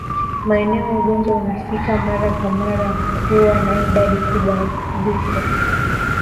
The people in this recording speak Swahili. Maeneo ugonjwa unafika mara kwa mara huwa na idadi kubwa ya vifo